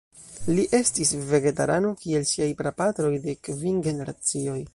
Li estis vegetarano kiel siaj prapatroj de kvin generacioj.